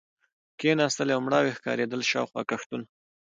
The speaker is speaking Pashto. کېناستلې او مړاوې ښکارېدلې، شاوخوا کښتونه.